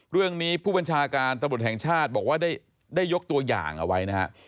เรื่องนี้ผู้บัญชาการตำรวจแห่งชาติบอกว่าได้ยกตัวอย่างเอาไว้นะฮะ